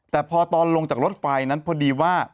แต่พอตอนลงจากรถไฟนั้นพอดีว่า